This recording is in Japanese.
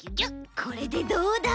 これでどうだ？